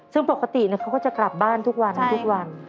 ซึ่งปกติเขาก็จะกลับบ้านทุกวัน